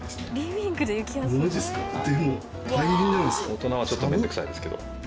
大人はちょっと面倒くさいですけど。